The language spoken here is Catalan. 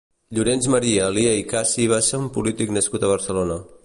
Llorenç Maria Alier i Cassi va ser un polític nascut a Barcelona.